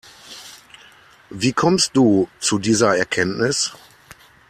Wie kommst du zu dieser Erkenntnis?